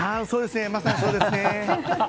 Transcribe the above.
まさにそうですね。